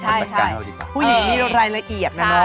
ใช่ผู้หญิงมีรายละเอียบนะเนอะ